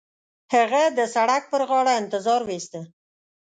هغه د سړک پر غاړه انتظار وېسته.